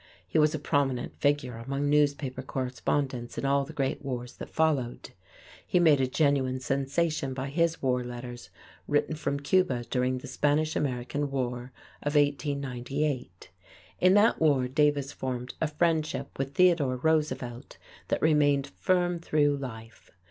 He was a prominent figure among newspaper correspondents in all the great wars that followed. He made a genuine sensation by his war letters written from Cuba during the Spanish American War of 1898. In that war Davis formed a friendship with Theodore Roosevelt that remained firm through life.